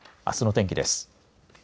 あすの天気です。